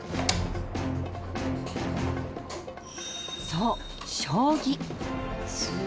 そう将棋。